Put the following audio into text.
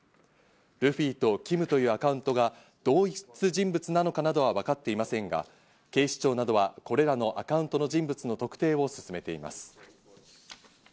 ルフィとＫＩＭというアカウントが同一人物なのかなどは分かっていませんが、警視庁などは、これらのアカウントの人物の特定を進めています。